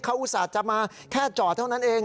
เขาอุตส่าห์จะมาแค่จอดเท่านั้นเอง